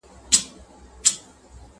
د ښار ټولو اوسېدونكو ته عيان وو!.